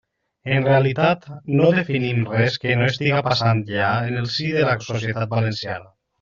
En realitat, no definim res que no estiga passant ja en el si de la societat valenciana.